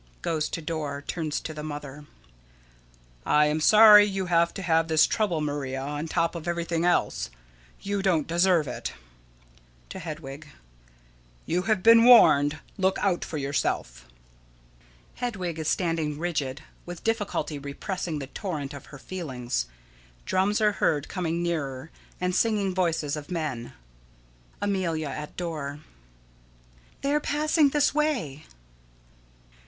[Goes to door, turns to the mother.] I am sorry you have to have this trouble, Maria, on top of everything else. You don't deserve it. [To Hedwig.] You have been warned. Look out for yourself. [_Hedwig is standing rigid, with difficulty repressing the torrent of her feelings. Drums are heard coming nearer, and singing voices of men._] Amelia: [At door.] They are passing this way.